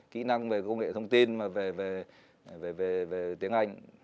kỹ năng về công nghệ thông tin mà về tiếng anh